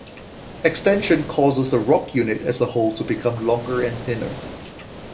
Extension causes the rock units as a whole to become longer and thinner.